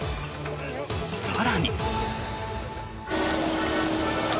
更に。